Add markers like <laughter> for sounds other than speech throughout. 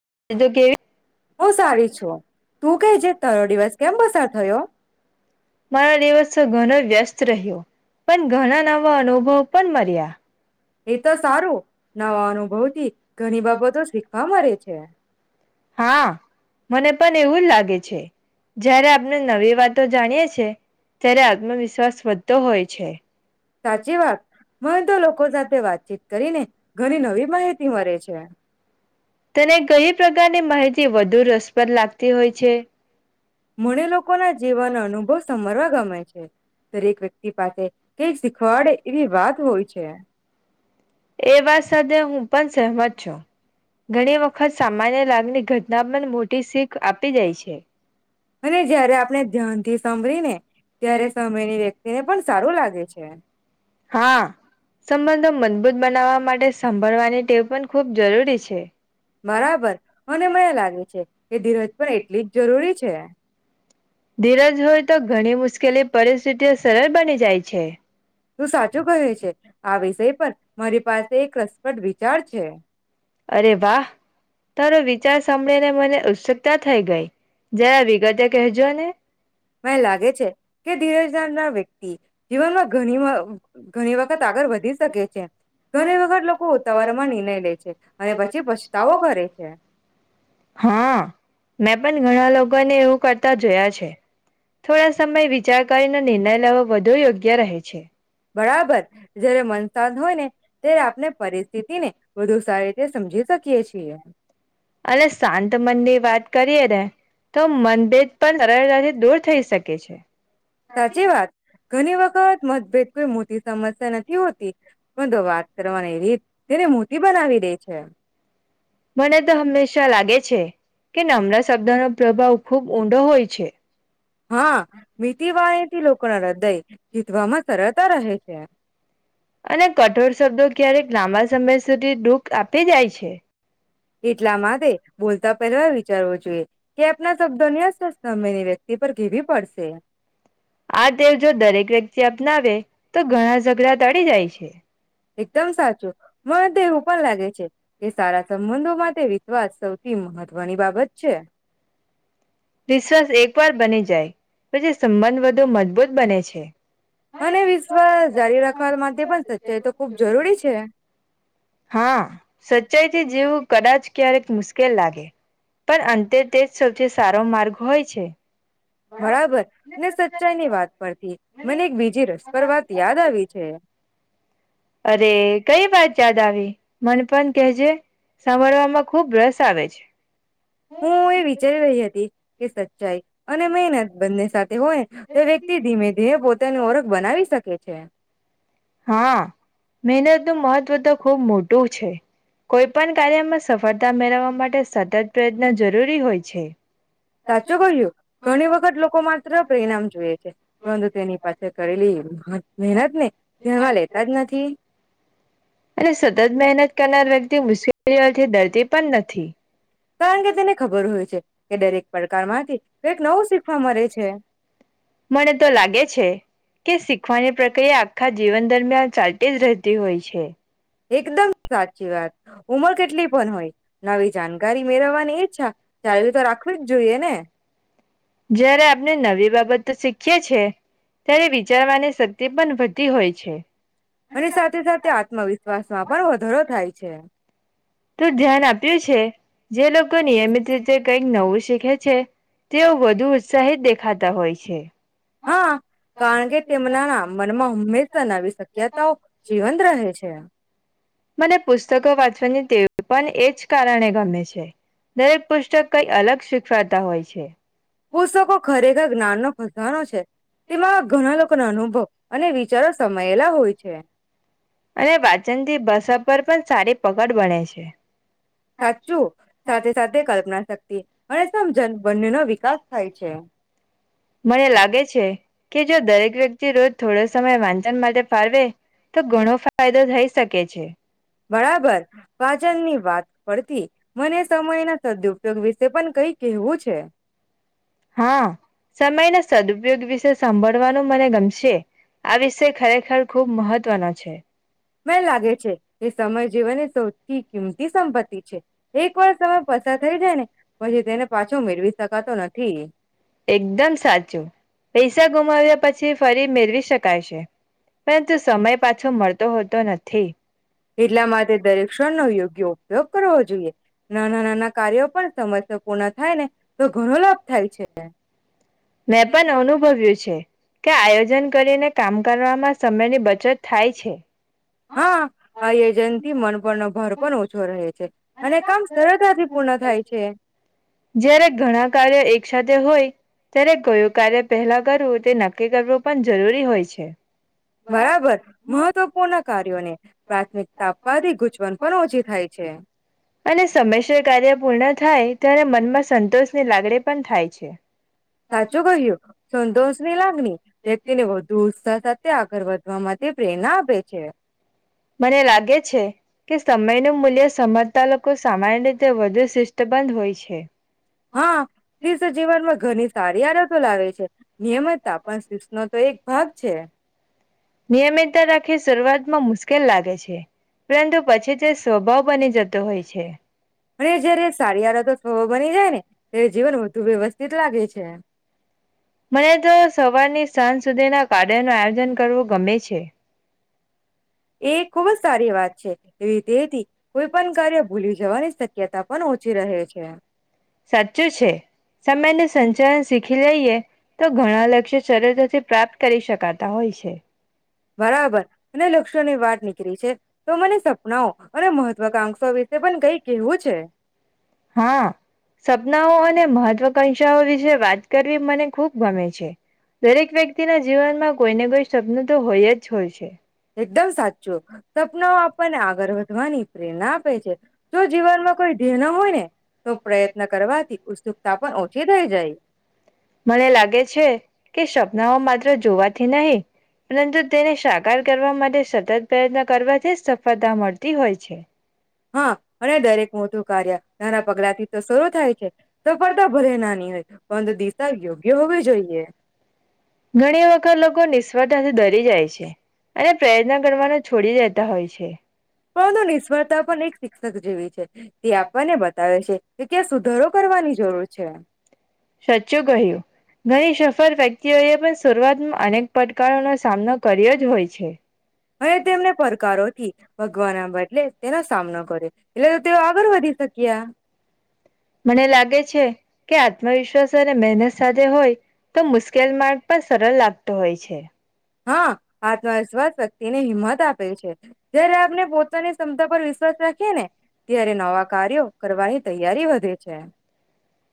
<unintelligible> બહુ સારી છો. તું કે જે તારો દિવસ કેમ પસાર થયો મારા દિવસ ઘણા વ્યસ્ત. રહ્યો પણ ઘણા, નવા અનુભવ, પણ મળ્યા. એ તો સારું નવા, અનુભવથી ઘણી બાબતો શીખવા મળે છે. હા, મને પણ એવું જ લાગે છે, જારે આપણે નવી વાતો જાણીએ છે, ત્યારે આત્મવિશ્વાસ વધતો હોય, છે. સાચી વાત મને, તો લોકો સાથે વાતચીત કરીને ઘણી, નવી માહિતી મળે છે. તેને કઈ પ્રકારની માહિતી, વધુ રસપ્રદ લાગતી હોય છે. મને લોકોના જીવનો અનુભવ સાંભળવા ગમે છે, દરેક વ્યક્તિ પાસે કઈક શીખવાડે એવી વાત હોય છે. એ વાત સાથે હું, પણ સહમત છું, ઘણી વખત સામાન્ય લાગતી, ઘટના પણ મોટી શીખ આપી દાય છે. અને જયારે આપણે ધ્યાનથી સાંભળીને ત્યારે સામેની વ્યક્તિને પણ સારું લાગે છે. હા સંબંધો મજબૂત બનાવવા માટે સાંભળવાની ટેવ પણ ખૂબ જરૂરી છે. બરાબર અને મને લાગે છે કે ધીરજ પણ એટલી જ જરૂરી છે. ધીરજ હોય તો ઘણી મુશ્કેલી પરિસ્થિતિઓ સરળ બની જાય છે. તું સાચું કહે છે આ વિષય પર મારી પાસે એક રસપ્રદ વિચાર છે અરે વાહ તારો વિચાર સાંળીને મને ઉત્સુકતા થઈ ગઈ જરા વિગતે કહેજો. જોને મને લાગે છે કે ધીરજ નામના વ્યક્તિ જીવનમાં ઘણી વાર ઘણી વખત આગળ વધી શકે છે ઘણી વખત લોકો ઉતાવરમાં નિર્ણય લે છે અને પછી પછતાવો કરે છે. હા મેં પણ ઘણા લોકો ને એવું કર જોયા છે થોડા સમય વિચાર કરીને નિર્ણય લેવો વધુ યોગ્ય રહે છે. બરાબર જયારે મન શાંત હોયને ત્યારે આપણે પરિસ્થિતિ ને વધુ સારી રીતે સમજી શકીએ કિએ છીએ. અને શાંતમનની વાત કરીએને તો મનભેદ પણ સરળતાથી દૂર થઈ શકે છે. સાચી વાત ઘણી વખત મતભેદ કોઈ મોટી સમસ્યા નથી હોતી પરંતુ વાત કરવાની રીત તેને મોટી બનાવી દે છે. મને તો હંમેશા લાગે છે કે નામણાં શબ્દનો પ્રભાવ ખૂબ ઊંડો હોય છે. હા મીઠી વાણીથી લોકો ના હૃદય જીતવામાં સરળતા રહે છે અને કઠોર શબ્દો ક્યારેક લાંબા સમય સુધી દુઃખ આપી જાય છે એટલા માટે બોલતા પહેલા વિચારવો જોઈએ કે, આપના શબ્દોની અસર સામેની વ્યક્તિ પર કેવી પડશે. આ તે જો દરેક વ્યક્તિ અપનાવે તો ઘણા ઝઘડા ટળી જાય છે. એકદમ સાચું મને તો એવું પણ લાગે છે કે સારા સંબંધો માટે વિશ્વાસ સૌથી મહત્વની બાબત છે. વિશ્વાસ એક વાર બની જાય. પછી સંબંધ વધુ મજબૂત બને છે. અને વિશ્વાસ જારી રાખવા માટે પણ સચ્ચાઈ તો ખુબ જરૂરી છે. હા સચ્ચાઈથી જીવવું કદાચ ક્યારેક મુશ્કેલ લાગે પણ અંતે તેજ સૌથી સારો માર્ગ હોય છે. બરાબર ને સચ્ચાઈ ની વાત પરથી મને એક બીજી રસપર વાત યાદ આવી છે. અરે કઈ વાત યાદ આવી? મને પન કહેજે સાંભરવામાં ખુબ રસ આવે છે. હું એ વિચારી રહી હતી કે સચ્ચાઈ અને મહેનત બંને સાથે હોય તો વ્યક્તિ ધીમે ધીમે પોતાની ઓળખ બનાવી શકે છે. હા મહેનત નુ મહત્વ તો ખૂબ મોટું છે. કોઈ પણ કાર્યમાં સફળતા મેળવવા માટે સતત પ્રયત્ન જરૂરી હોય છે. સાચો કહ્યું. ઘણી વખત લોકો માત્ર પરિણામ જોયે છે પરંતુ તેની પાછળ કરેલી મહેનત ને નજરમાં લેતા જ નથી. અને સતત મહેનત કરનાર વ્ય તિ મુશ્કેલીઓથી ડરતી પણ નથી. કારણ કે તેને ખબર હોય છે કે દરેક પડકાર માંથી કંઈક નવું શીખવા મરે છે. મળે તો લાગે છે કે શીખવાની પ્રક્રિયા આખા જીવન દરમિયાન ચાલતી જ રહેતી હોય છે. એકદમ સાચી વાત. ઉમર કેટલી પણ હોય નવી જાણકારી મેળવવાની ઈચ્છા ચાલું તો રાખવી જ જોઈએ ને. જ્યારે આપણે નવી બાબતો શીખીએ છે, ત્યારે વિચારવાની શક્તિ પણ વધતી હોય છે. અને સાથે સાથે આત્મવિશ્વાસ માં પણ વધોરો થાય છે. તો ધ્યાન આપ્યું છે, જે લોકો નિયમિત રીતે કંઈક નવું શીખે છે. તેઓ વધુ ઉત્સાહિત દેખાતા હોય છે. હા કારણ કે તેમના મનમાં હંમેશા નવી શક્યતાઓ જીવંત રહે છે. મને પુસ્તકો વાંચવાની તેવ પણ એ જ કારણે ગમે છે. દરેક પુસ્તક કંઈ અલગ શીખવાતા હોય છે. પુસ્તકો ખરેખર જ્ઞાનનો ભંડારો છે, તેમાં ઘણા લોકોના અનુભવ અને વિચારો સમાયેલા હોય છે. અને વાચનથી ભાશા પર પણ સારી પકડ બને છે. સાચું સાથે સાથે કલ્પના શક્તિ અને સમજન બંનેનો વિકાસ થાય છે. મને લાગે છે કે જો દરેક વ્યક્તિ તો થોડો સમય વાંચન માટે ફાળવે તો ઘણો ફાયદો થઈ શકે છે. બરાબર વાચનની વાત પડથી મને સમયના સદુપયોગ વિશે પણ કઈ કહેવું છે. હા, સમયના સદઉપયોગ વિશે સાંભળવાનો મને ગમશે, આ વિષય ખરેખર ખુબ મહત્વનો છે. મને લાગે છે એ સમય જીવનની સૌથી કિંમતી સંપત્તિ છે. એક વાર સમય પસાર થઈ જાય ને પહી તેને પાછો મેળવી શકાતો નથી. એકદમ સાચું પૈસા ગુમાવ્યા પછી ફરી મેળવી શકાય છે, પરંતુ સમય પાછો મળતો હોતો નથી. એટલા માટે દરેક ક્ષણ નો યોગ્ય ઉપયોગ કરવો જોઈએ, નાના નાના કાર્યો પણ સમયસ પૂર્ણ થાય ને તો ઘણો લાભ થાય છે. મેં પણ અનુભવ્યું છે. કે આયોજન કરીને કામ કરવામાં સમયની બચત થાય છે. હા આ એજન થી મન પરનો ભર પણ ઓછો રહે છે. અને કામ સરળતાથી પૂર્ણ થાય છે. જ્યારે ઘણા કાર્ય એક સાથેથે હોય ત્યારે કયું કાર્ય પહેલા કરવું તે નક્કી કરવું પણ જરૂરી હોય છે. બરાબર મહત્વપૂર્ણ કાર્યોને પ્રાથમિકતા આપવાથી ગૂંચવણ પણ ઓછી થાય છે. અને સમયસર કાર્ય પૂર્ણ થાય ત્યારે મનમાં સંતોષ ની લાગણી પણ થાય છે. સાચું કહ્યું સંતોષની લાગણી વ્યક્તિને વધુ ઉત્સાહ સાથે આગળ વધવા માટે પ્રેરણા આપે છે. મને લાગે છે કે સમય ન મૂલ્ય સમજતા લોકો સામાન્ય રીતે વધુ શિષ્ટબંધ હોય છે. હા શીર્ષ જીવનમાં ઘરની સારી આદતો લાવે છે નિયમિતતા પણ શિર્ષ નો તો એક ભાગ છે. નિયમિતતા રાખી શરૂઆતમાં મુશ્કેલ લાગે છે પરંતુ પછી તે સ્વભાવ બની જતો હોય છે. અને જયારે સાડિયારા તો સ્વ બની જાય ને ત્યારે જીવન વધુ વ્યવસ્થિત લાગે છે. મને તો સવારની સાંજ સુધીના કારડન ન આયોજન કરવું ગમે છે. એ ખૂબ જ સારી વાત છે એવી તેથી કોઈ પણ કાર્ય ભૂલી જવાની શક્યતા પણ ઓછી રહે છે. સાચું છે સમયને સંચાલન શીખી લઈએ તો ઘણા લક્ષ્ય શરતોથી પ્રાપ્ત કરી શકાતા હોય છે. બરાબર અને લક્ષ્યોની વાત નીકળ છે તો મને સપનાઓ અને મહત્વકાંક્ષા વિશે પણ કઈ કેવું છે. હા સપનાઓ અને મહત્વકાંક્ષાઓ વિશે વાત કરવી મને ખૂબ ગમે છે દરેક વ્યક્તિના જીવનમાં કોઈને કોઈ સપનું તો હોય જ હોય છે. એકદમ સાચું સપનાઓ આપણને આગળ વધવાની પ્રેરણા આપે છે. જો જીવનમાં કોઈ ધેન ના હોય ને તો પ્રયત્ન કરવાથી ઉત્સુકતા પણ ઓછી થઈ જાય. મને લાગે છે કે સપનાઓ માત્ર જોવાથી નહીં પરંતુ તેને સાકાર કરવા માટે સતત પ્રયત્ન કરવાથી સફળતા મળતી હોય છે. હા અને દરેક મોટું કાર્ય નાના પગલા થી તો શરૂ થાય છે. સફળતા ભલે નાની હોય પરંતુ દીસ તા યોગ્ય હોવી જોઈએ. ઘણી વખત લોકો નિષ્ફળતાથી ડરી જાય છે અને પ્રયત્ન કરવાનો છોડી દેતા હોય છે. કોનો નિષ્ફળતા પણ એક શિક્ષક જોએ તે આપણને બતાવે છે કે ક્યાં સુધારો કરવાની જરૂર છે. સાચું કહ્યું. ઘણી સફર વ્યક્તિઓએ પણ શરૂઆતમાં અનેક પડકારોનો સામનો કર્યો જ હોય છે. અને તેમને પરકારોથી ભગવાનના બદલે તેનો સામનો કર્યો એટલે તો તેઓ આગળ વધી શક્યા. મને લાગે છે કે આત્મવિશ્વાસ અને મહેનત સાથે હોય તો મુશ્કેલ માર્ગ પણ સરળ લાગતો હોય છે. હા આત્મવિશ્વાસ વ્યક્તિને હિંમત આપે છે. જ્યારે આપને પોતાની ક્ષમતા પર વિશ્વાસ રાખીએ ને, ત્યારે નવા કાર્યો કરવાની તૈયારી વધે છે.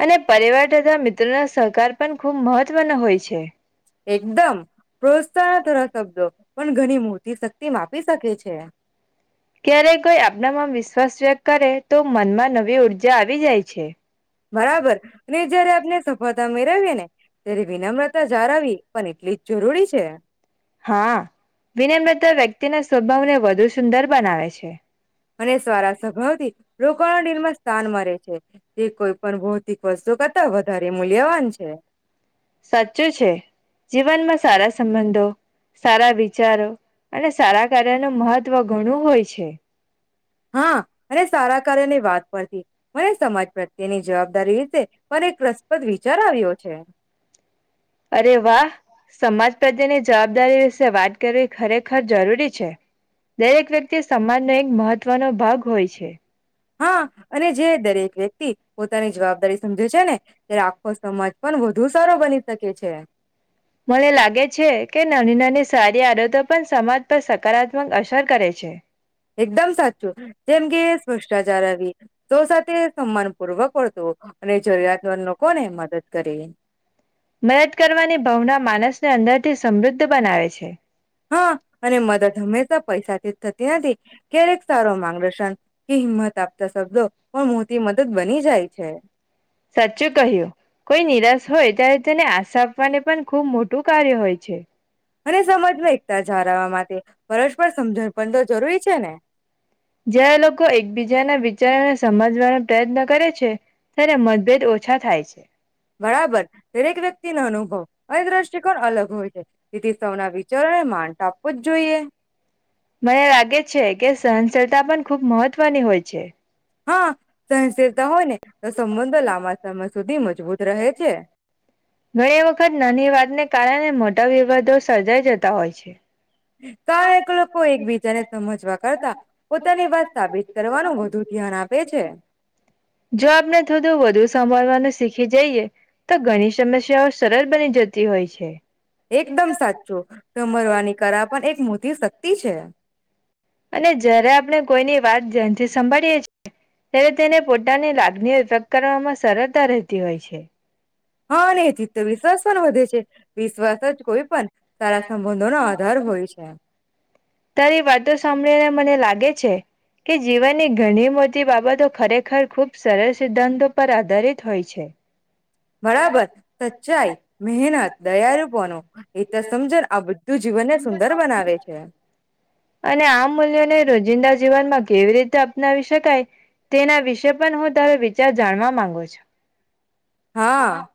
અને પરિવાર તથા મિત્રોના સહકાર પણ ખૂબ મહત્વનો હોય છે. એકદમ પ્રોત્સાહન થરા શબ્દો પણ ઘણી મૂર્તિ શક્તિ માપી શકે છે. ક્યારે કોઈ આપનામાં વિશ્વાસ વ્યક્ત કરે તો મનમાં નવી ઉર્જા આવી જાય છે. બરાબર જયારે આપને સફળતા મેળવીએ ને ત્યારે વિનમ્રતા જાળવી પણ એટલી જ જરૂરી છે. સ્વભાવ ને વધુ સુંદર બનાવે છે. અને સરાા સ્વભાવથી લોકોના નિિલમાં સ્થાન મારે છે જે કોઈ પણ ભૌતિક વસ્તુ કરતા વધારે મૂલ્યવાન છે. સાચું છે જીવનમાં સસ સંબંધો સારા વિચારો અને સારા કાર્ય ન મહત્વ ઘણું હોય છે. હા અને સારા કાર્યની વાત પરથી મને સમજ પતીની જવાબદારી દરે રીતે પણ એક રસપ્રદ વિચાર આવ્યો છે. અરે વાહ સમાજ પ્રત્યેની જવાબદારી વિશે વાત કરવી ખરેખર જરૂરી છે દરેક વ્યક્તિ સમાજનો એક મહત્વનો ભાગ હોય છે. હા અને જે દરેક વ્યક્તિ પોતાની જવાબદારી સમજે છે ને ત્યારે આખો સમાજ પણ વધુ સારો બની શકે છે. મને લાગે છે કે નાની નાની સારી આડતો પણ સમાજ પર સકારાત્મક અસર કરે છે. એકદમ સાચું જેમ કે ભષ્ટાચાર આવી સ સાથે સન્માન પૂર્વક વળત અને જરૂરિયાતર લોકોને મદદ કરવી. મદદ કરવાની ભાવના માનસને અંદર થી સમૃદ્ધ બનાવે છે. હા અને મદદ હંમેશા પૈસાથી જ થતી નથી ક્યારેક સારો માર્ગદર્શન કે હિંમત આપતા શબ્દો પણ મોટી મદદ બની જાય છે. સાચું કહ્યું કોઈ નિરાશ હોય ત્યારે તેને આશા આપવાને પણ ખુબ મોટું કાર્ય હોય છે. અને સમજમાં એકતા જાળવવા માટે પરસ્પર સમજણપણ તો જરૂરી છે ને. જય્યારે લોકો એકબીજાના વિચારોને સમજવાનો પ્રયત્ન કરે છે ત્યારે મતભેદ ઓછા થાય છે. બરાબર દરેક વ્યક્તિ ન અનુભવ અને દ્રષ્ટિકોણ અલગ હોય છે તેથી સૌના વિચારોને માન ટા આપવું જ જોઈએ. મને લાગે છે કેસ અશળતા પણ ખુબ મહત્વની હોય છે. હા સહશરતા હોય ને તો સંબંધો લાંબા સમય સુધી મજબૂત રહે છે. ઘણી વખત નાની વાતને કારણે મોટા વિવાદો સર્જાઈ જતા હોય છે. કારણક લોકો એકબીજાને સમજવા કરતા પોતાની વાત સાબિત કરવાનું વધુ ધ્યાન આપે છે. જો આપણે થોડું વધુ સાંભળવાનું શીખી જઈએ તો ઘણી સમસ્યાઓ સરળ બની જતી હોય છે. એકદમ સાચુંમરવાની કરા પણ એક મોટી શક્તિ છે. અને જ્યારે આપણે કોઈની વાત ધનથી સંભાળીએ છીએ ત્યારે તેને પોતાની લાગણીઓ વ્યક્ત કરવામાં સરળતા રહેતી હોય છે. હા અને એથીિત તો વિશ્વાસ પણ વધે છે વિશ્વાસ જ કોઈ પણ સારા સંબંધોનો આધાર હોય છે. તારી વાતો સાંભળીને મને લાગે છે કે જીવનની ઘણી મોટી બાબતો ખરેખર ખૂબ સરળ સિદ્ધાંતો પર આધારિત હોય છે. બરાબર સચ્ચાઈ મહેનત દયારૂપો ન એત સમજન આ બ અને આ મૂલ્યોને રોજિંદા જીવનમાં કેવી રીતે અપનાવી શકાય તેના વિશે પણ હું તારો વિચાર જાણવા માંગુ છું. હા.